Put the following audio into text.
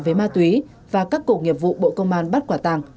với ma túy và các cổ nghiệp vụ bộ công an bắt quả tàng